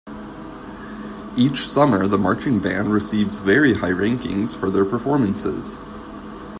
Each summer the marching band receives very high rankings for their performances.